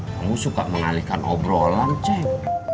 kamu suka mengalihkan obrolan cek